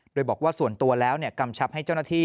โดยบอกว่าส่วนตัวแล้วกำชับให้เจ้าหน้าที่